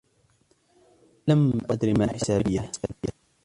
ولم أدر ما حسابيه